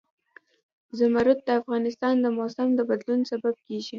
زمرد د افغانستان د موسم د بدلون سبب کېږي.